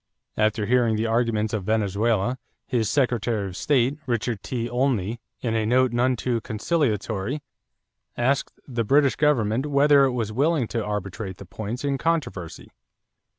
After hearing the arguments of Venezuela, his Secretary of State, Richard T. Olney, in a note none too conciliatory, asked the British government whether it was willing to arbitrate the points in controversy.